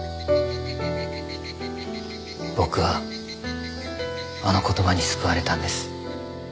僕はあの言葉に救われたんです。